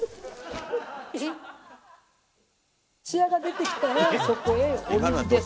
ツヤが出てきたらそこへお水です。